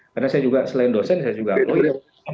karena saya juga selain dosen saya juga alloyang